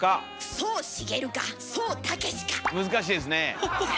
難しいですねえ！